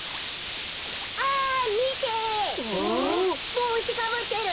ぼうしかぶってる。